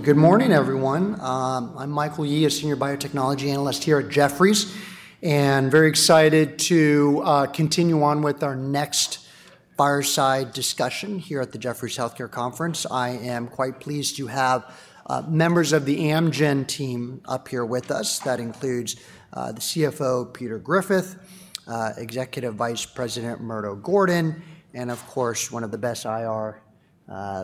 Good morning, everyone. I'm Michael Yee, a senior biotechnology analyst here at Jefferies, and very excited to continue on with our next fireside discussion here at the Jefferies Healthcare Conference. I am quite pleased to have members of the Amgen team up here with us. That includes the CFO, Peter Griffith, Executive Vice President, Murdo Gordon, and, of course, one of the best IR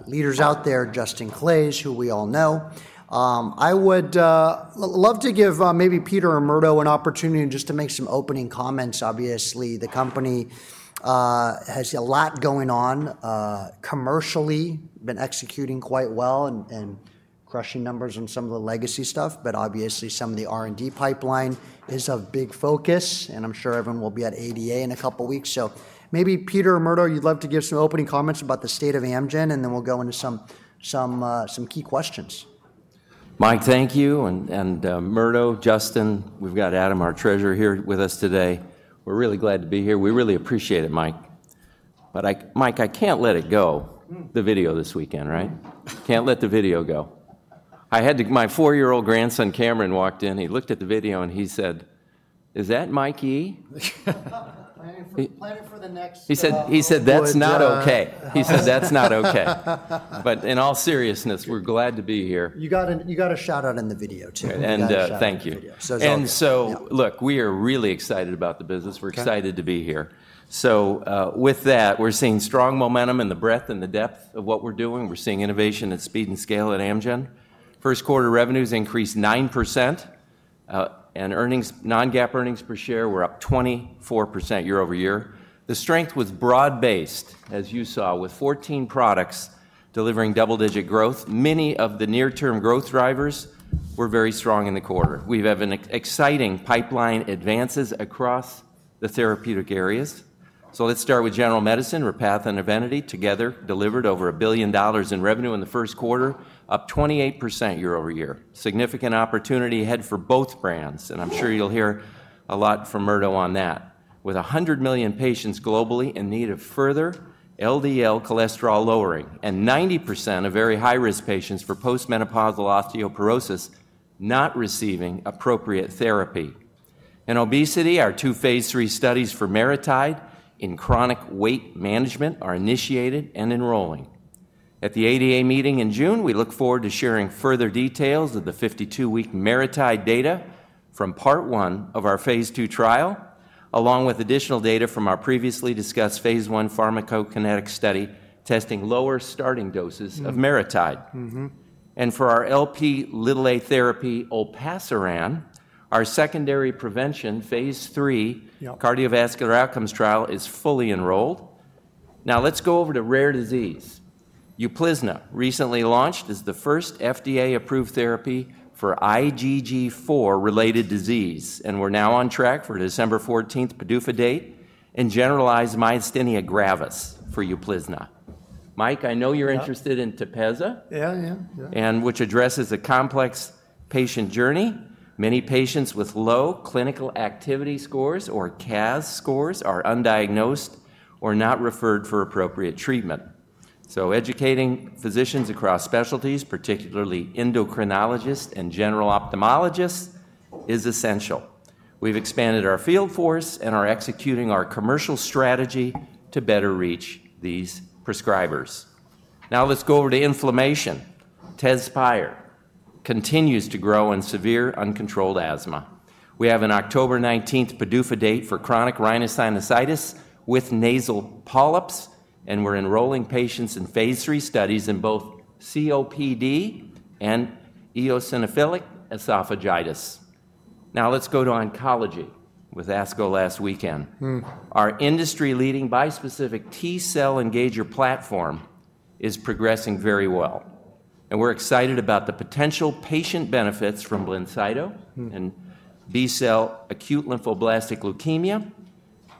leaders out there, Justin Claeys, who we all know. I would love to give maybe Peter or Murdo an opportunity just to make some opening comments. Obviously, the company has a lot going on commercially, been executing quite well and crushing numbers on some of the legacy stuff, but obviously some of the R&D pipeline is a big focus, and I'm sure everyone will be at ADA in a couple of weeks. Maybe Peter or Murdo, you'd love to give some opening comments about the state of Amgen, and then we'll go into some key questions. Mike, thank you. Murdo, Justin, we have Adam, our treasurer, here with us today. We are really glad to be here. We really appreciate it, Mike. Mike, I cannot let it go, the video this weekend, right? I cannot let the video go. I had to, my four-year-old grandson, Cameron, walked in. He looked at the video and he said, "Is that Mike Yee? Planning for the next year. He said, "That's not okay." In all seriousness, we're glad to be here. You got a shout-out in the video, too. Thank you. Look, we are really excited about the business. We're excited to be here. With that, we're seeing strong momentum in the breadth and the depth of what we're doing. We're seeing innovation at speed and scale at Amgen. First quarter revenues increased 9%, and non-GAAP earnings per share were up 24% year-over-year. The strength was broad-based, as you saw, with 14 products delivering double-digit growth. Many of the near-term growth drivers were very strong in the quarter. We have exciting pipeline advances across the therapeutic areas. Let's start with general medicine, Repatha and Evenity. Together, they delivered over $1 billion in revenue in the first quarter, up 28% year over year. Significant opportunity ahead for both brands, and I'm sure you'll hear a lot from Murdo on that. With 100 million patients globally in need of further LDL cholesterol lowering and 90% of very high-risk patients for postmenopausal osteoporosis not receiving appropriate therapy. In obesity, our two phase III studies for MariTide in chronic weight management are initiated and enrolling. At the ADA meeting in June, we look forward to sharing further details of the 52-week MariTide data from part one of our phase II trial, along with additional data from our previously discussed phase I pharmacokinetic study testing lower starting doses of MariTide. For our Lp(a) therapy, olpasiran, our secondary prevention phase III cardiovascular outcomes trial is fully enrolled. Now let's go over to rare disease. Uplizna, recently launched, is the first FDA-approved therapy for IgG4-related disease, and we're now on track for December 14 PDUFA date and generalized myasthenia gravis for Uplizna. Mike, I know you're interested in Tepezza, and which addresses a complex patient journey. Many patients with low clinical activity scores, or CAS scores, are undiagnosed or not referred for appropriate treatment. Educating physicians across specialties, particularly endocrinologists and general ophthalmologists, is essential. We've expanded our field force and are executing our commercial strategy to better reach these prescribers. Now let's go over to inflammation. Tezspire continues to grow in severe uncontrolled asthma. We have an October 19th PDUFA date for chronic rhinosinusitis with nasal polyps, and we're enrolling patients in phase III studies in both COPD and eosinophilic esophagitis. Now let's go to oncology with ASCO last weekend. Our industry-leading bispecific T-cell engager platform is progressing very well, and we're excited about the potential patient benefits from Lyncido in B-cell acute lymphoblastic leukemia,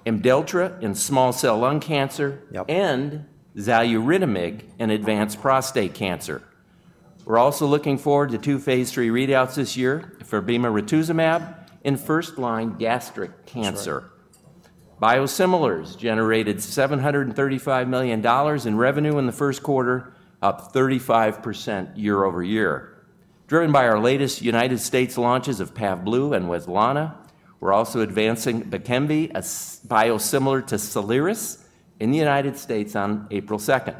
Imdelltra in small cell lung cancer, and Xaluritamig in advanced prostate cancer. We're also looking forward to two phase III readouts this year for bimuratuzumab in first-line gastric cancer. Biosimilars generated $735 million in revenue in the first quarter, up 35% year-over-year. Driven by our latest United States launches of Pavblu and Wezlana, we're also advancing BKEMV, a biosimilar to Celeris, in the United States on April 2nd.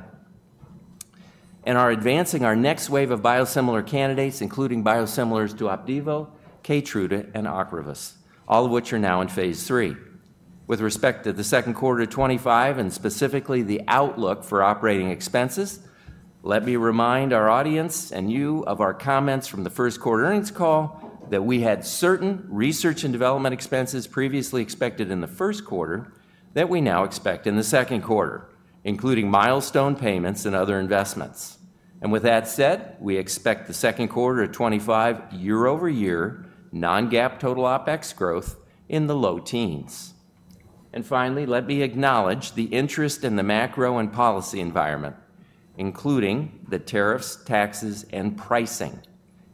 We're also advancing our next wave of biosimilar candidates, including biosimilars to Opdivo, Keytruda, and Ocrevus, all of which are now in phase III. With respect to the second quarter 2025 and specifically the outlook for operating expenses, let me remind our audience and you of our comments from the first quarter earnings call that we had certain research and development expenses previously expected in the first quarter that we now expect in the second quarter, including milestone payments and other investments. With that said, we expect the second quarter of 2025 year-over-year non-GAAP total OpEx growth in the low teens. Finally, let me acknowledge the interest in the macro and policy environment, including the tariffs, taxes, and pricing.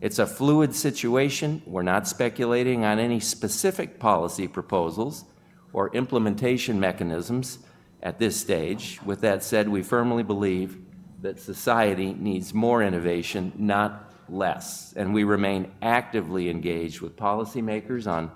It is a fluid situation. We are not speculating on any specific policy proposals or implementation mechanisms at this stage. With that said, we firmly believe that society needs more innovation, not less, and we remain actively engaged with policymakers on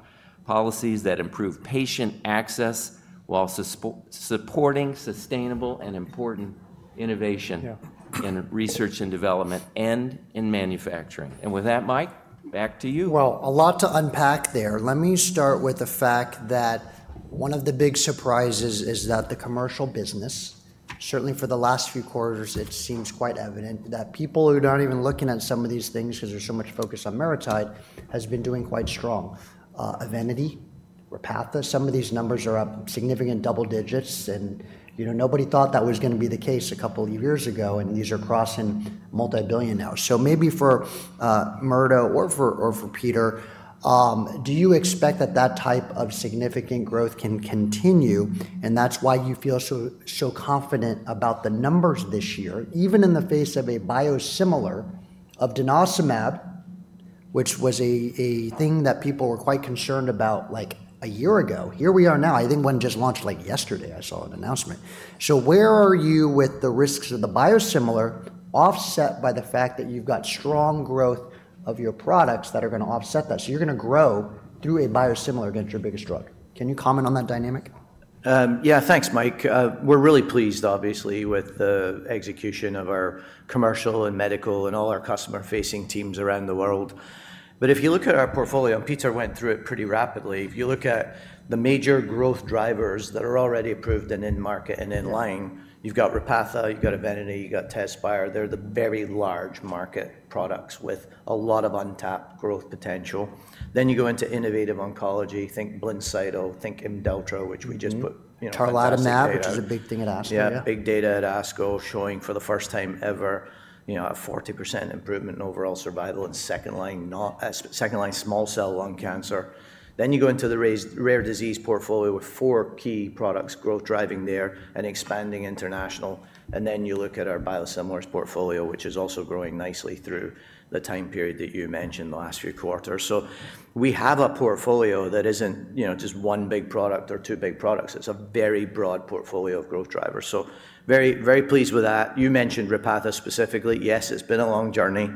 policies that improve patient access while supporting sustainable and important innovation in research and development and in manufacturing. With that, Mike, back to you. A lot to unpack there. Let me start with the fact that one of the big surprises is that the commercial business, certainly for the last few quarters, it seems quite evident that people who are not even looking at some of these things because there's so much focus on MariTide has been doing quite strong. Evenity, Repatha, some of these numbers are up significant double digits, and nobody thought that was going to be the case a couple of years ago, and these are crossing multibillion now. Maybe for Murdo or for Peter, do you expect that that type of significant growth can continue, and that's why you feel so confident about the numbers this year, even in the face of a biosimilar of denosumab, which was a thing that people were quite concerned about like a year ago? Here we are now. I think one just launched like yesterday. I saw an announcement. Where are you with the risks of the biosimilar offset by the fact that you've got strong growth of your products that are going to offset that? You're going to grow through a biosimilar against your biggest drug. Can you comment on that dynamic? Yeah, thanks, Mike. We're really pleased, obviously, with the execution of our commercial and medical and all our customer-facing teams around the world. If you look at our portfolio, and Peter went through it pretty rapidly, if you look at the major growth drivers that are already approved and in market and in line, you've got Repatha, you've got Evenity, you've got Tezspire. They're the very large market products with a lot of untapped growth potential. You go into innovative oncology, think Lyncido, think Imdelltra, which we just put. Tarlatumab now, which is a big thing at ASCO. Yeah, big data at ASCO showing for the first time ever a 40% improvement in overall survival in second-line small cell lung cancer. You go into the rare disease portfolio with four key products, growth driving there and expanding international. You look at our biosimilars portfolio, which is also growing nicely through the time period that you mentioned the last few quarters. We have a portfolio that isn't just one big product or two big products. It's a very broad portfolio of growth drivers. Very pleased with that. You mentioned Repatha specifically. Yes, it's been a long journey.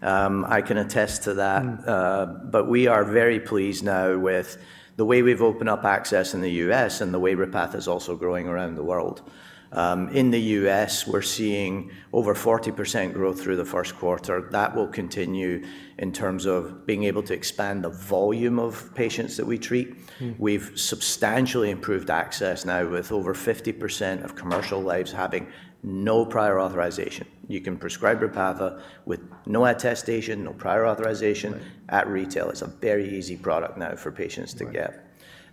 I can attest to that. We are very pleased now with the way we've opened up access in the U.S. and the way Repatha is also growing around the world. In the U.S., we're seeing over 40% growth through the first quarter. That will continue in terms of being able to expand the volume of patients that we treat. We've substantially improved access now with over 50% of commercial lives having no prior authorization. You can prescribe Repatha with no attestation, no prior authorization at retail. It's a very easy product now for patients to get.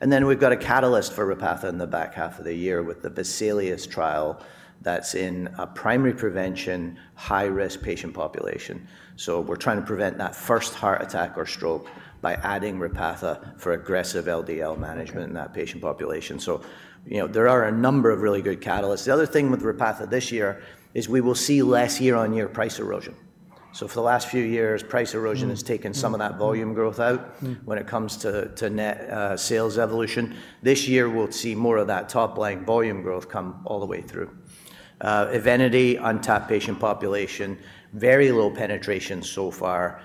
We have a catalyst for Repatha in the back half of the year with the VESALIUS trial that is in a primary prevention high-risk patient population. We are trying to prevent that first heart attack or stroke by adding Repatha for aggressive LDL management in that patient population. There are a number of really good catalysts. The other thing with Repatha this year is we will see less year-on-year price erosion. For the last few years, price erosion has taken some of that volume growth out when it comes to net sales evolution. This year, we'll see more of that top-line volume growth come all the way through. Evenity, untapped patient population, very low penetration so far.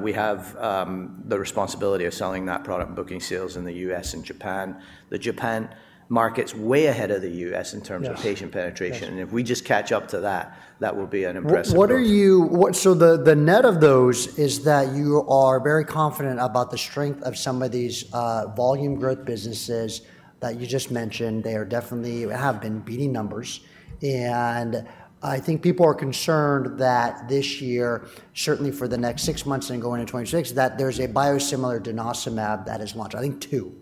We have the responsibility of selling that product and booking sales in the U.S. and Japan. The Japan market's way ahead of the U.S. in terms of patient penetration. If we just catch up to that, that will be an impressive thing. The net of those is that you are very confident about the strength of some of these volume growth businesses that you just mentioned. They definitely have been beating numbers. I think people are concerned that this year, certainly for the next six months and going into 2026, that there is a biosimilar denosumab that is launched, I think two.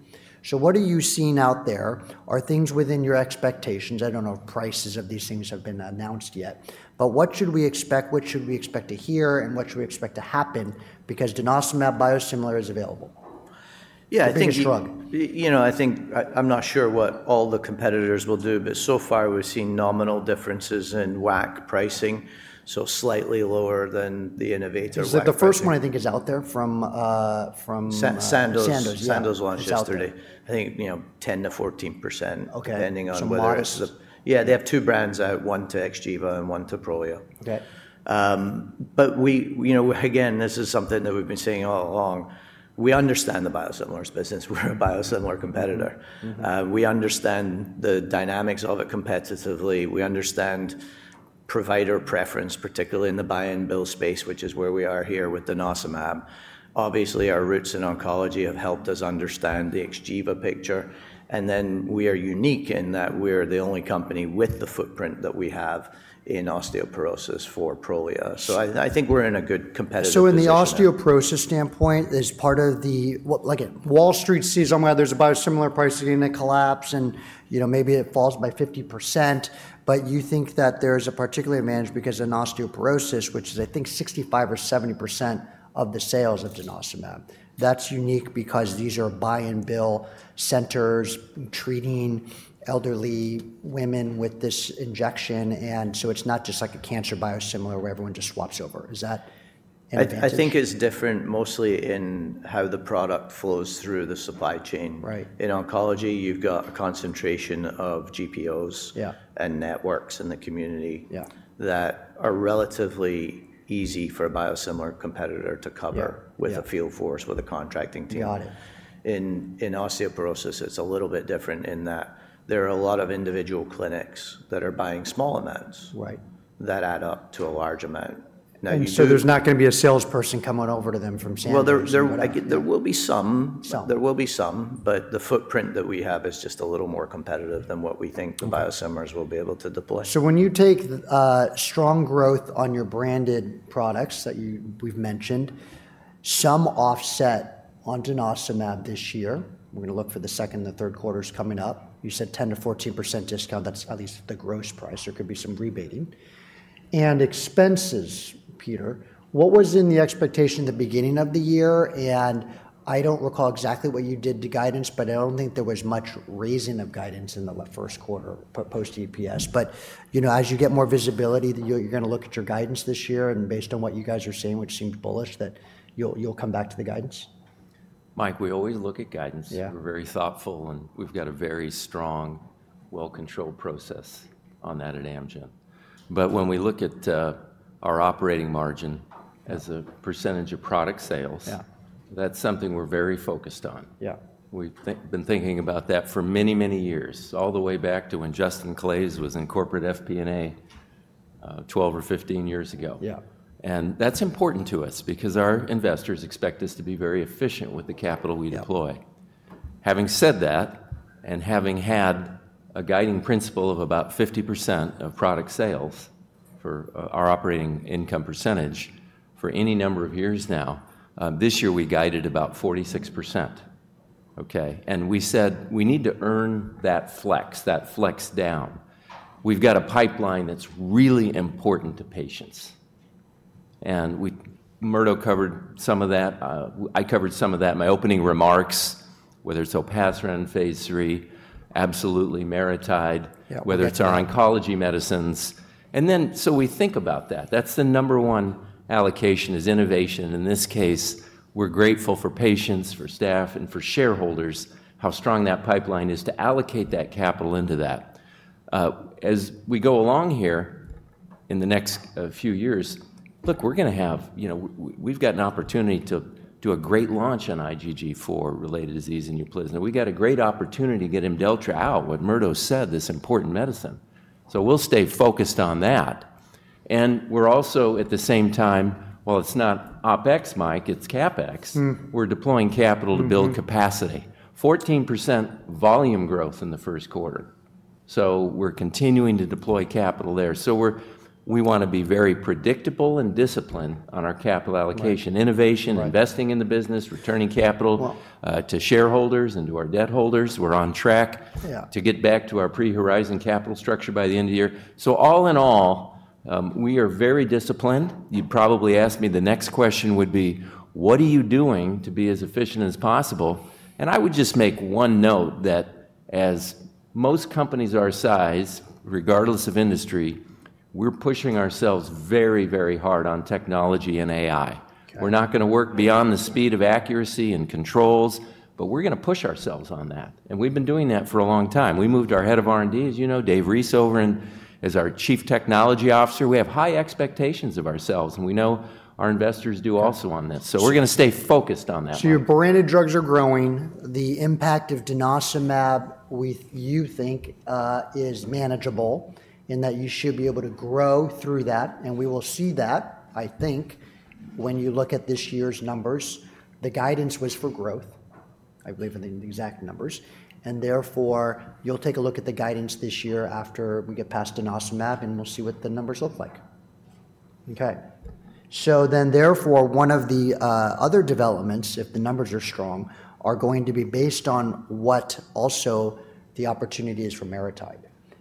What are you seeing out there? Are things within your expectations? I do not know if prices of these things have been announced yet, but what should we expect? What should we expect to hear and what should we expect to happen because denosumab biosimilar is available? Yeah, I think I'm not sure what all the competitors will do, but so far we've seen nominal differences in WAC pricing, so slightly lower than the innovator. Is it the first one I think is out there from? Sandoz. Sandoz. Sandoz launched yesterday. I think 10%-14% depending on whatever the. So [modest]. Yeah, they have two brands out, one to XGEVA and one to Prolia. But again, this is something that we've been saying all along. We understand the biosimilars business. We're a biosimilar competitor. We understand the dynamics of it competitively. We understand provider preference, particularly in the buy-and-build space, which is where we are here with denosumab. Obviously, our roots in oncology have helped us understand the XGEVA picture. And then we are unique in that we're the only company with the footprint that we have in osteoporosis for Prolia. So I think we're in a good competitive position. In the osteoporosis standpoint, as part of what Wall Street sees, somewhere there's a biosimilar price that's going to collapse and maybe it falls by 50%, but you think that there is a particular advantage because in osteoporosis, which is I think 65% or 70% of the sales of denosumab, that's unique because these are buy-and-build centers treating elderly women with this injection. It's not just like a cancer biosimilar where everyone just swaps over. Is that an advantage? I think it's different mostly in how the product flows through the supply chain. In oncology, you've got a concentration of GPOs and networks in the community that are relatively easy for a biosimilar competitor to cover with a field force, with a contracting team. In osteoporosis, it's a little bit different in that there are a lot of individual clinics that are buying small amounts that add up to a large amount. There's not going to be a salesperson coming over to them from San Diego or whatever. There will be some, but the footprint that we have is just a little more competitive than what we think the biosimilars will be able to deploy. When you take strong growth on your branded products that we've mentioned, some offset on denosumab this year. We're going to look for the second and the third quarters coming up. You said 10%-14% discount. That's at least the gross price. There could be some rebating. And expenses, Peter, what was in the expectation at the beginning of the year? I don't recall exactly what you did to guidance, but I don't think there was much raising of guidance in the first quarter post-EPS. As you get more visibility, you're going to look at your guidance this year. Based on what you guys are saying, which seems bullish, you'll come back to the guidance. Mike, we always look at guidance. We're very thoughtful, and we've got a very strong, well-controlled process on that at Amgen. When we look at our operating margin as a percentage of product sales, that's something we're very focused on. We've been thinking about that for many, many years, all the way back to when Justin Claeys was in corporate FP&A 12 or 15 years ago. That's important to us because our investors expect us to be very efficient with the capital we deploy. Having said that and having had a guiding principle of about 50% of product sales for our operating income percentage for any number of years now, this year we guided about 46%. We said, "We need to earn that flex, that flex down." We've got a pipeline that's really important to patients. Murdo covered some of that. I covered some of that in my opening remarks, whether it's Opatron phase III, absolutely MariTide, whether it's our oncology medicines. We think about that. That's the number one allocation is innovation. In this case, we're grateful for patients, for staff, and for shareholders, how strong that pipeline is to allocate that capital into that. As we go along here in the next few years, look, we're going to have we've got an opportunity to do a great launch on IgG4-related disease and Uplizna. We've got a great opportunity to get Imdelltra out, what Murdo said, this important medicine. We'll stay focused on that. We're also at the same time, it's not OpEx, Mike, it's CapEx. We're deploying capital to build capacity, 14% volume growth in the first quarter. We're continuing to deploy capital there. We want to be very predictable and disciplined on our capital allocation, innovation, investing in the business, returning capital to shareholders and to our debt holders. We're on track to get back to our pre-horizon capital structure by the end of the year. All in all, we are very disciplined. You'd probably ask me the next question would be, "What are you doing to be as efficient as possible?" I would just make one note that as most companies our size, regardless of industry, we're pushing ourselves very, very hard on technology and AI. We're not going to work beyond the speed of accuracy and controls, but we're going to push ourselves on that. We've been doing that for a long time. We moved our head of R&D, as you know, Dave Reese, over as our chief technology officer. We have high expectations of ourselves, and we know our investors do also on this. We are going to stay focused on that. Your branded drugs are growing. The impact of denosumab, you think, is manageable in that you should be able to grow through that. We will see that, I think, when you look at this year's numbers. The guidance was for growth, I believe, in the exact numbers. Therefore, you'll take a look at the guidance this year after we get past denosumab, and we'll see what the numbers look like. Okay. Therefore, one of the other developments, if the numbers are strong, are going to be based on what also the opportunity is for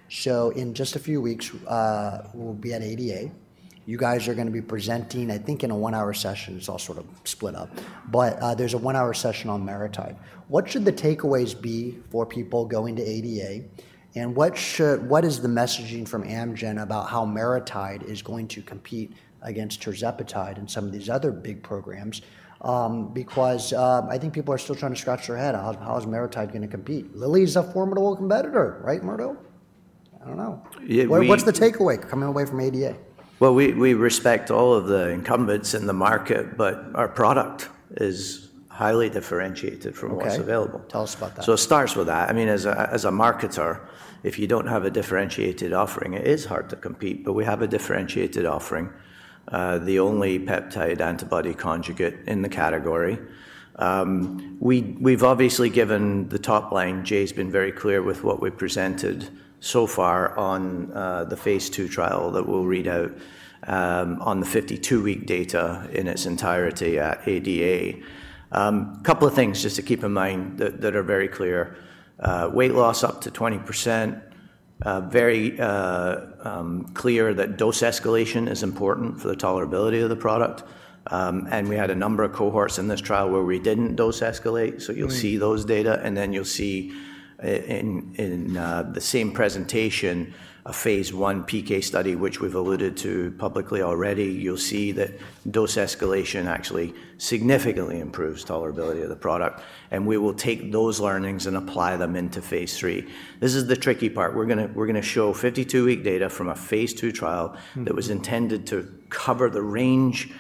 MariTide. In just a few weeks, we'll be at ADA. You guys are going to be presenting, I think, in a one-hour session. It's all sort of split up, but there's a one-hour session on MariTide. What should the takeaways be for people going to ADA? What is the messaging from Amgen about how MariTide is going to compete against tirzepatide and some of these other big programs? Because I think people are still trying to scratch their head. How is MariTide going to compete? Lilly is a formidable competitor, right, Murdo? I do not know. What is the takeaway coming away from ADA? We respect all of the incumbents in the market, but our product is highly differentiated from what's available. Okay. Tell us about that. It starts with that. I mean, as a marketer, if you don't have a differentiated offering, it is hard to compete. We have a differentiated offering, the only peptide antibody conjugate in the category. We've obviously given the top line. Jay's been very clear with what we've presented so far on the phase II trial that we'll read out on the 52-week data in its entirety at ADA. A couple of things just to keep in mind that are very clear. Weight loss up to 20%. Very clear that dose escalation is important for the tolerability of the product. We had a number of cohorts in this trial where we didn't dose escalate. You'll see those data. You'll see in the same presentation, a phase I PK study, which we've alluded to publicly already. You'll see that dose escalation actually significantly improves tolerability of the product. We will take those learnings and apply them into phase III.. This is the tricky part. We're going to show 52-week data from a phase II trial that was intended to cover the range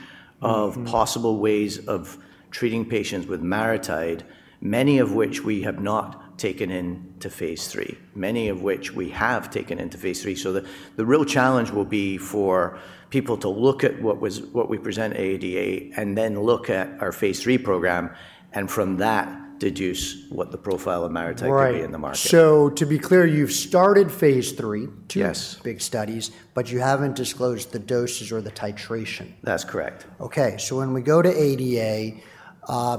of possible ways of treating patients with MariTide, many of which we have not taken into phase III, many of which we have taken into phase three. The real challenge will be for people to look at what we present at ADA and then look at our phase III program and from that deduce what the profile of MariTide could be in the market. To be clear, you've started phase III, two big studies, but you haven't disclosed the doses or the titration. That's correct. Okay. When we go to ADA,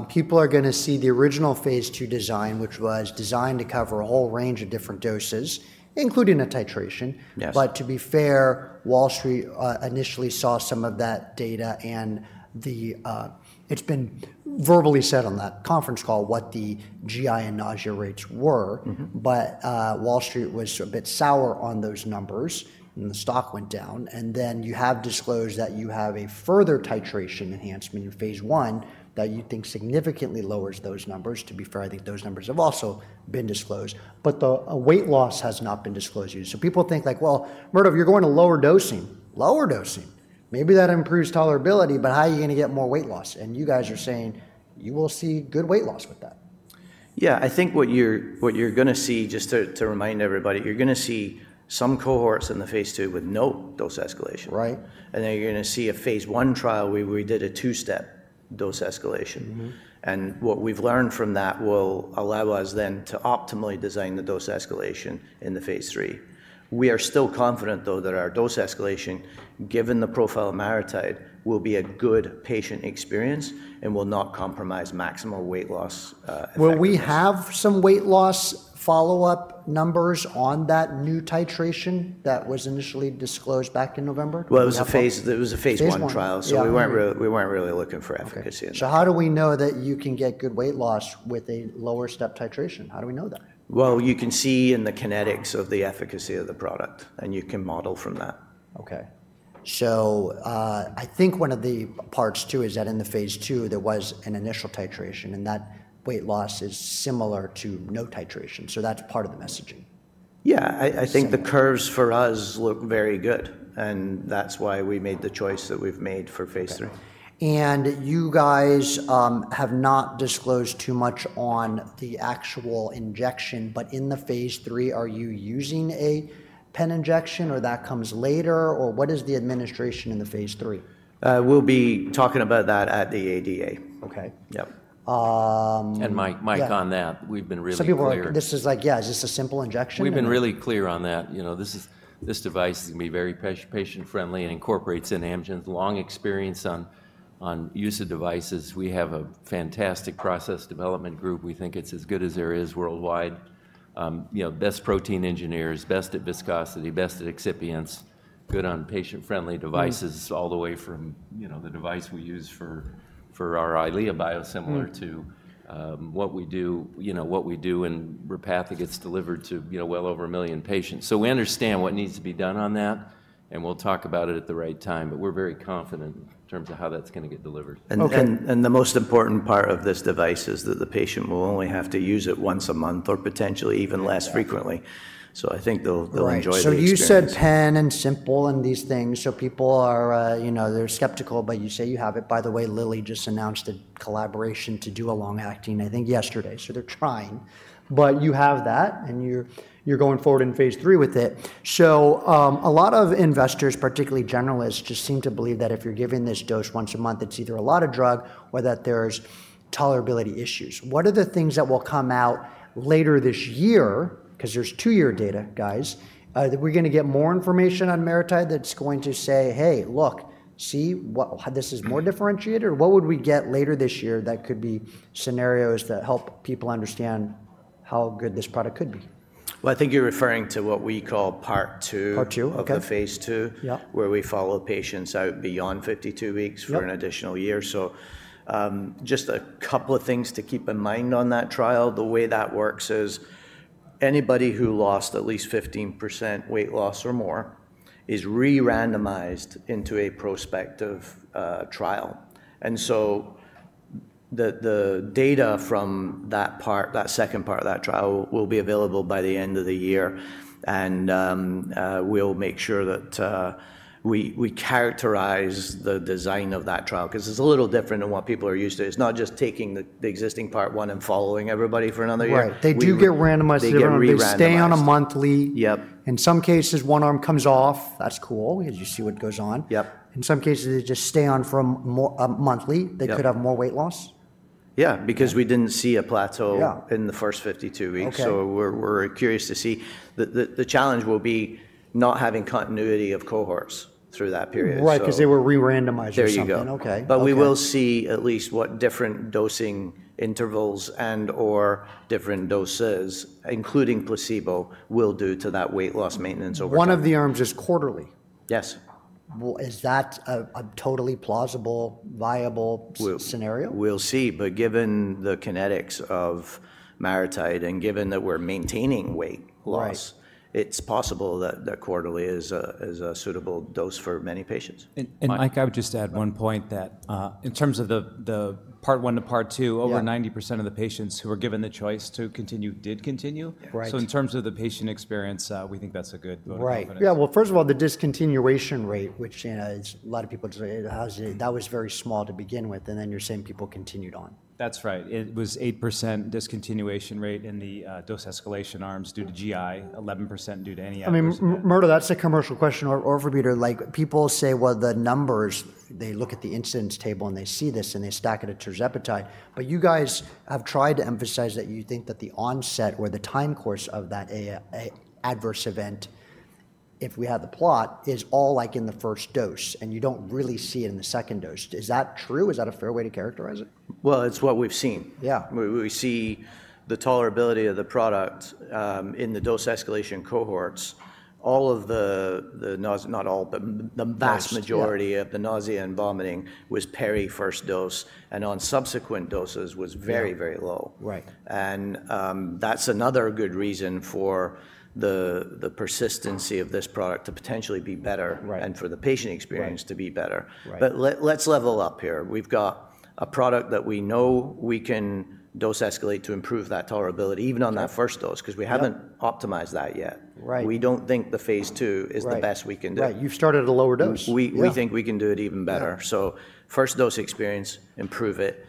people are going to see the original phase II design, which was designed to cover a whole range of different doses, including a titration. To be fair, Wall Street initially saw some of that data. It has been verbally said on that conference call what the GI and nausea rates were. Wall Street was a bit sour on those numbers, and the stock went down. You have disclosed that you have a further titration enhancement in phase I that you think significantly lowers those numbers. To be fair, I think those numbers have also been disclosed, but the weight loss has not been disclosed yet. People think like, "Well, Murdo, you're going to lower dosing." Lower dosing. Maybe that improves tolerability, but how are you going to get more weight loss? You guys are saying you will see good weight loss with that. Yeah. I think what you're going to see, just to remind everybody, you're going to see some cohorts in the phase II with no dose escalation. And then you're going to see a phase I trial where we did a two-step dose escalation. And what we've learned from that will allow us then to optimally design the dose escalation in the phase III. We are still confident, though, that our dose escalation, given the profile of MariTide, will be a good patient experience and will not compromise maximum weight loss. Will we have some weight loss follow-up numbers on that new titration that was initially disclosed back in November? It was a phase I trial, so we weren't really looking for efficacy in that. How do we know that you can get good weight loss with a lower step titration? How do we know that? You can see in the kinetics of the efficacy of the product, and you can model from that. Okay. I think one of the parts too is that in the phase II, there was an initial titration, and that weight loss is similar to no titration. That is part of the messaging. Yeah. I think the curves for us look very good, and that's why we made the choice that we've made for phase III. You guys have not disclosed too much on the actual injection, but in the phase III, are you using a pen injection or that comes later? What is the administration in the phase III? We'll be talking about that at the ADA. Okay. Yep. Mike, on that, we've been really clear. People are like, "This is like, yeah, is this a simple injection? We've been really clear on that. This device can be very patient-friendly and incorporates in Amgen's long experience on use of devices. We have a fantastic process development group. We think it's as good as there is worldwide. Best protein engineers, best at viscosity, best at excipients, good on patient-friendly devices all the way from the device we use for our Eylea biosimilar to what we do in Repatha gets delivered to well over a million patients. We understand what needs to be done on that, and we'll talk about it at the right time, but we're very confident in terms of how that's going to get delivered. The most important part of this device is that the patient will only have to use it once a month or potentially even less frequently. I think they'll enjoy the experience. You said pen and simple and these things. People are skeptical, but you say you have it. By the way, Lilly just announced a collaboration to do a long-acting, I think, yesterday. They're trying. You have that, and you're going forward in phase III with it. A lot of investors, particularly generalists, just seem to believe that if you're giving this dose once a month, it's either a lot of drug or that there's tolerability issues. What are the things that will come out later this year? Because there is two-year data, guys, that we are going to get more information on MariTide that is going to say, "Hey, look, see how this is more differentiated?" What would we get later this year that could be scenarios that help people understand how good this product could be? I think you're referring to what we call part two. Part two. Okay. Of the phase II, where we follow patients out beyond 52 weeks for an additional year. Just a couple of things to keep in mind on that trial. The way that works is anybody who lost at least 15% weight loss or more is re-randomized into a prospective trial. The data from that second part of that trial will be available by the end of the year. We'll make sure that we characterize the design of that trial because it's a little different than what people are used to. It's not just taking the existing part one and following everybody for another year. Right. They do get randomized to their own risk. Stay on a monthly. In some cases, one arm comes off. That's cool because you see what goes on. In some cases, they just stay on for a monthly. They could have more weight loss. Yeah. Because we didn't see a plateau in the first 52 weeks. So we're curious to see. The challenge will be not having continuity of cohorts through that period. Right. Because they were re-randomized. There you go. We will see at least what different dosing intervals and/or different doses, including placebo, will do to that weight loss maintenance over time. One of the arms is quarterly. Yes. Is that a totally plausible, viable scenario? We'll see. Given the kinetics of MariTide and given that we're maintaining weight loss, it's possible that quarterly is a suitable dose for many patients. Mike, I would just add one point that in terms of the part one to part two, over 90% of the patients who were given the choice to continue did continue. In terms of the patient experience, we think that's a good. Right. Yeah. First of all, the discontinuation rate, which a lot of people say, "That was very small to begin with," and then you're saying people continued on. That's right. It was 8% discontinuation rate in the dose escalation arms due to GI, 11% due to any other reason. I mean, Murdo, that's a commercial question or over-beater. People say, "Well, the numbers, they look at the incidence table and they see this and they stack it at tirzepatide." But you guys have tried to emphasize that you think that the onset or the time course of that adverse event, if we have the plot, is all like in the first dose and you don't really see it in the second dose. Is that true? Is that a fair way to characterize it? It is what we have seen. We see the tolerability of the product in the dose escalation cohorts. All of the, not all, but the vast majority of the nausea and vomiting was peri-first dose and on subsequent doses was very, very low. That is another good reason for the persistency of this product to potentially be better and for the patient experience to be better. Let us level up here. We have got a product that we know we can dose escalate to improve that tolerability, even on that first dose, because we have not optimized that yet. We do not think the phase two is the best we can do. Right. You've started at a lower dose. We think we can do it even better. First dose experience, improve it.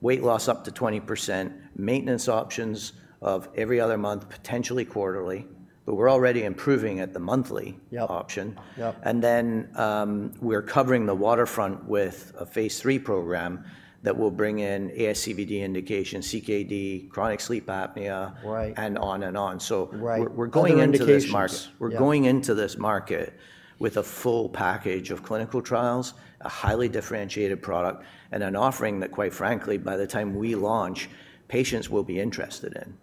Weight loss up to 20%. Maintenance options of every other month, potentially quarterly, but we're already improving at the monthly option. We're covering the waterfront with a phase III program that will bring in ASCVD indication, CKD, chronic sleep apnea, and on and on. We're going into this market with a full package of clinical trials, a highly differentiated product, and an offering that, quite frankly, by the time we launch, patients will be interested in.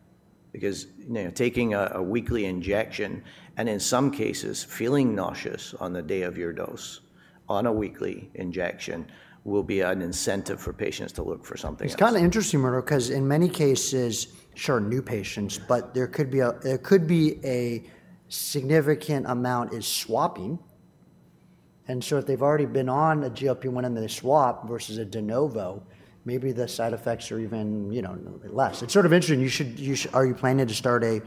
Because taking a weekly injection and in some cases, feeling nauseous on the day of your dose on a weekly injection will be an incentive for patients to look for something else. It's kind of interesting, Murdo, because in many cases, sure, new patients, but there could be a significant amount of swapping. If they've already been on a GLP-1 and they swap versus a de novo, maybe the side effects are even less. It's sort of interesting. Are you planning to start a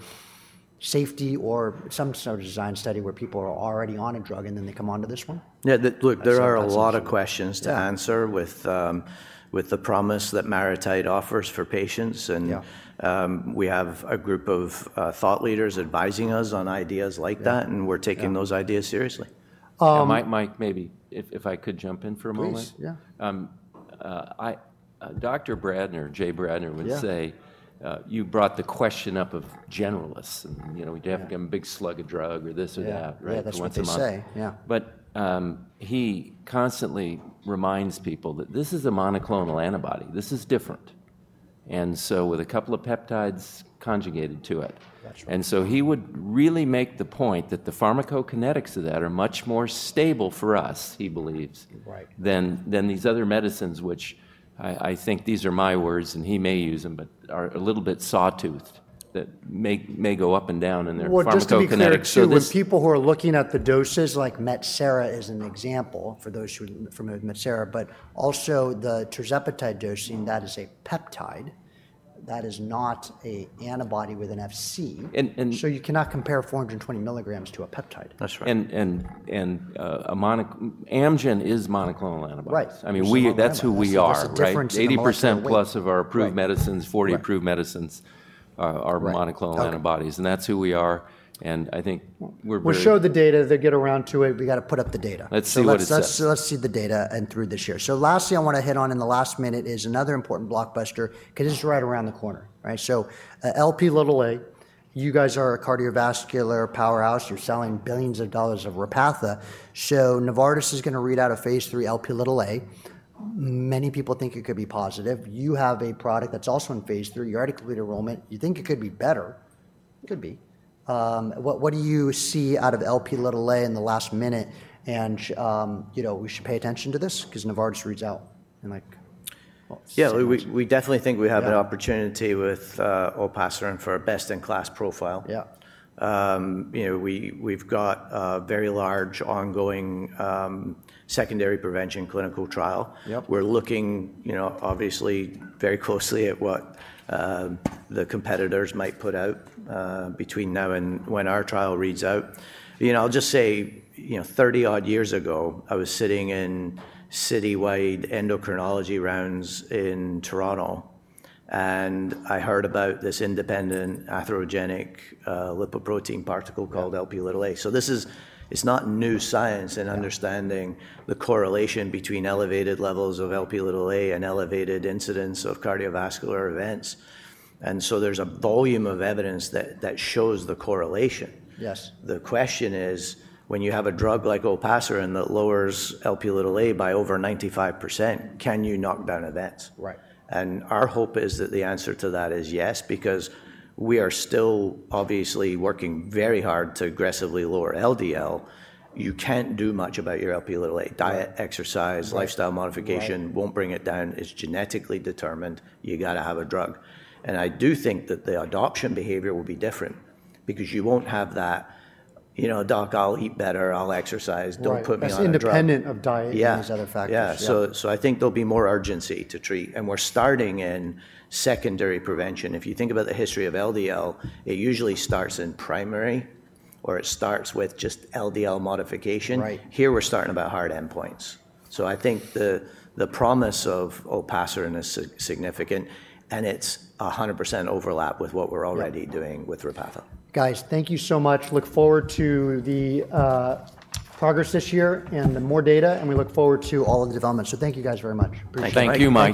safety or some sort of design study where people are already on a drug and then they come on to this one? Yeah. Look, there are a lot of questions to answer with the promise that MariTide offers for patients. We have a group of thought leaders advising us on ideas like that, and we're taking those ideas seriously. Mike, maybe if I could jump in for a moment. Please. Dr. Bradner, Jay Bradner would say you brought the question up of generalists. We have to give them a big slug of drug or this or that once a month. He constantly reminds people that this is a monoclonal antibody. This is different, and with a couple of peptides conjugated to it. He would really make the point that the pharmacokinetics of that are much more stable for us, he believes, than these other medicines, which I think these are my words and he may use them, but are a little bit sawtoothed that may go up and down in their pharmacokinetics. Just the kinetics of the people who are looking at the doses, like Metsera is an example for those from Metsera, but also the tirzepatide dosing, that is a peptide. That is not an antibody with an FC. You cannot compare 420 milligrams to a peptide. That's right. Amgen is monoclonal antibody. I mean, that's who we are. 80% plus of our approved medicines, 40 approved medicines, are monoclonal antibodies. That's who we are. I think we're. We'll show the data. They get around to it. We got to put up the data. Let's see what it says. Let's see the data and through this year. Lastly, I want to hit on in the last minute is another important blockbuster because it's right around the corner. Lp(a), you guys are a cardiovascular powerhouse. You're selling billions of dollars of Repatha. Novartis is going to read out a phase 3 Lp(a). Many people think it could be positive. You have a product that's also in phase III. You already completed enrollment. You think it could be better. It could be. What do you see out of Lp(a) in the last minute? We should pay attention to this because Novartis reads out. Yeah. We definitely think we have an opportunity with olpasiran for a best-in-class profile. We've got a very large ongoing secondary prevention clinical trial. We're looking, obviously, very closely at what the competitors might put out between now and when our trial reads out. I'll just say 30-odd years ago, I was sitting in citywide endocrinology rounds in Toronto, and I heard about this independent atherogenic lipoprotein particle called Lp(a). This is not new science in understanding the correlation between elevated levels of Lp(a) and elevated incidence of cardiovascular events. There is a volume of evidence that shows the correlation. The question is, when you have a drug like olpasiran that lowers Lp(a) by over 95%, can you knock down events? Our hope is that the answer to that is yes, because we are still obviously working very hard to aggressively lower LDL. You can't do much about your Lp(a). Diet, exercise, lifestyle modification won't bring it down. It's genetically determined. You got to have a drug. I do think that the adoption behavior will be different because you won't have that, "Doc, I'll eat better. I'll exercise. Don't put me on another drug. That's independent of diet and these other factors. Yeah. I think there'll be more urgency to treat. We're starting in secondary prevention. If you think about the history of LDL, it usually starts in primary or it starts with just LDL modification. Here, we're starting about hard endpoints. I think the promise of Olpasiran is significant, and it's 100% overlap with what we're already doing with Repatha. Guys, thank you so much. Look forward to the progress this year and the more data, and we look forward to all of the developments. Thank you guys very much. Appreciate it. Thank you.